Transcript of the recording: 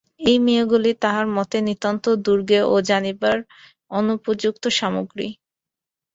এই মেয়েগুলা তাঁহার মতে, নিতান্ত দুর্জ্ঞেয় ও জানিবার অনুপযুক্ত সামগ্রী।